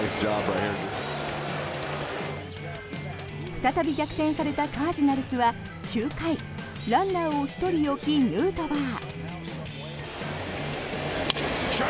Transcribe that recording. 再び逆転されたカージナルスは９回ランナーを１人置きヌートバー。